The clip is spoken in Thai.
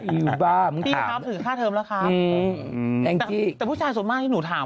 อยู่บ้านพี่ครับถือค่าเทิมแล้วครับแต่ผู้ชายส่วนมากที่หนูถาม